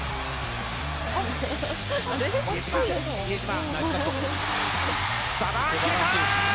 比江島、馬場、決めた！